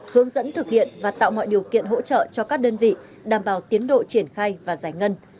hướng dẫn thực hiện và tạo mọi điều kiện hỗ trợ cho các đơn vị đảm bảo tiến độ triển khai và giải ngân